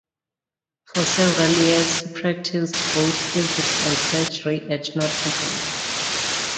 For several years he practised both physic and surgery at Nottingham.